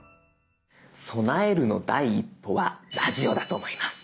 備えるの第一歩はラジオだと思います。